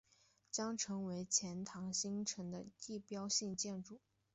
将成为钱江新城的地标性建筑。